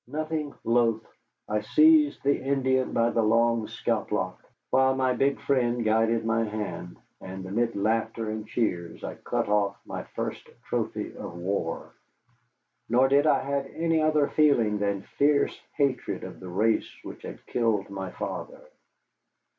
Nothing loath, I seized the Indian by the long scalp lock, while my big friend guided my hand, and amid laughter and cheers I cut off my first trophy of war. Nor did I have any other feeling than fierce hatred of the race which had killed my father.